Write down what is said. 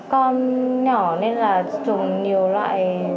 con nhỏ nên là dùng nhiều loại